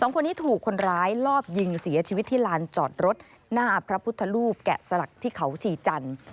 คนนี้ถูกคนร้ายลอบยิงเสียชีวิตที่ลานจอดรถหน้าพระพุทธรูปแกะสลักที่เขาชีจันทร์